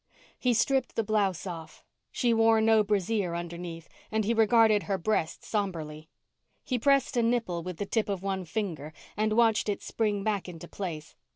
He stripped the blouse off. She wore no brassiere underneath, and he regarded her breasts somberly. He pressed a nipple with the tip of one finger and watched it spring back into place.